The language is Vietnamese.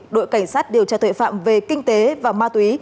đội cảnh sát điều tra tội phạm về kinh tế và ma túy